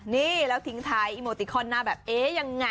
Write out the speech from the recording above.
นี่แล้วทิ้งท้ายอีโมติคอนหน้าแบบเอ๊ะยังไง